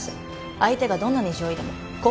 相手がどんなに上位でも公平ですよ。